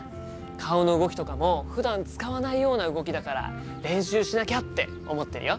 顔の動きとかもふだん使わないような動きだから練習しなきゃって思ってるよ。